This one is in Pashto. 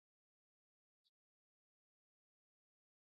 مورغاب سیند د افغان ځوانانو د هیلو استازیتوب کوي.